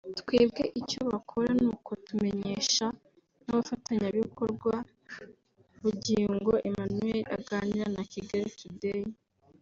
twebwe icyo bakora ni ukutumenyesha nk’abafatanyabikorwa" Bugingo Emmanuel aganira na Kigali Today